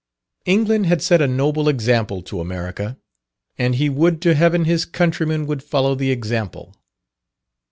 England had set a noble example to America, and he would to heaven his countrymen would follow the example.